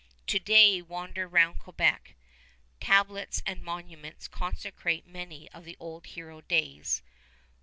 To day wander round Quebec. Tablets and monuments consecrate many of the old hero days.